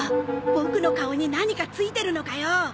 ボクの顔に何かついてるのかよ！